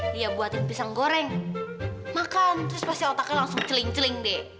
dia buatin pisang goreng makan terus pasti otaknya langsung celing celing deh